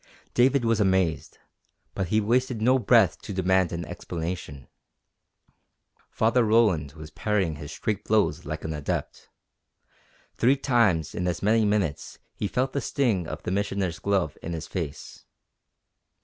David was amazed, but he wasted no breath to demand an explanation. Father Roland was parrying his straight blows like an adept. Three times in as many minutes he felt the sting of the Missioner's glove in his face.